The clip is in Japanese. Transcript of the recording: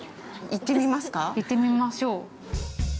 ◆行ってみましょう。